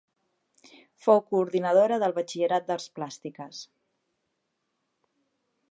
Fou coordinadora del batxillerat d'Arts Plàstiques.